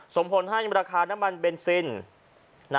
ส่งผลให้ราคาน้ำมันเบนซิน